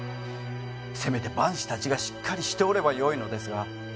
せめて番士たちがしっかりしておればよいのですが。